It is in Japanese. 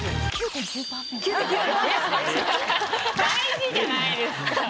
大事じゃないですか。